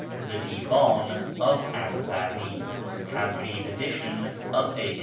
The Divdn of Anvari (Tabriz edition of a.h.